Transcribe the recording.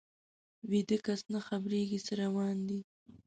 ویده کس نه خبریږي څه روان دي